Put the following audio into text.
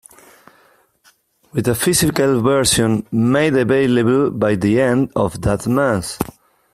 With a physical version made available by the end of that month.